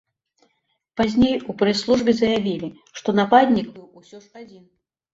Пазней у прэс-службе заявілі, што нападнік быў усё ж адзін.